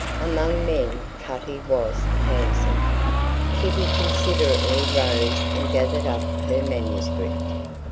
Among men Cutty was handsome. Kitty considerately rose and gathered up her manuscript.